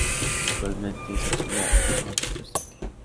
Actualmente es auxiliar en el Manchester City.